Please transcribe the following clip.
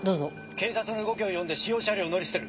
警察の動きを読んで使用車両を乗り捨てる。